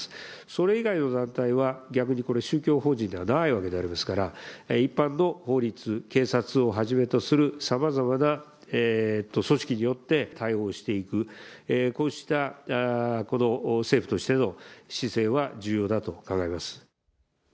それ以外の団体は逆にこれ、宗教法人ではないわけでありますから、一般の法律、警察をはじめとするさまざまな組織によって対応していく、こうした政府としての姿勢は重要だと考えます。